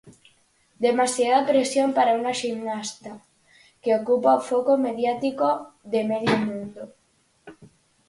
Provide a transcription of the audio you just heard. Demasiada presión para unha ximnasta que ocupa o foco mediático de medio mundo.